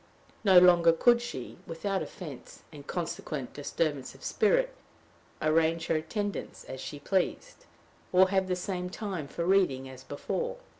No longer could she, without offense, and consequent disturbance of spirit, arrange her attendance as she pleased, or have the same time for reading as before.